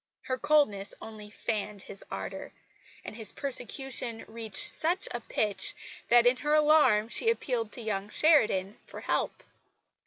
Her coldness only fanned his ardour; and his persecution reached such a pitch that in her alarm she appealed to young Sheridan for help.